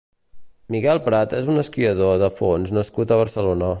Miguel Prat és un esquiador de fons nascut a Barcelona.